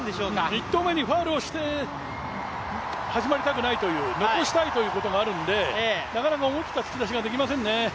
１投目にファウルをして始まりたくないという、残したいということもあるんで、なかなか思い切った突き出しができませんね。